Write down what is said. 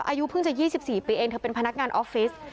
อายุเพิ่งจะ๒๔ปีเองเธอเป็นพนักงานออฟฟิศ